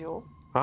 あ！